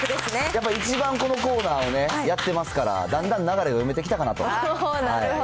やっぱ一番このコーナーをやってますから、だんだん流れを読めてきたかなと。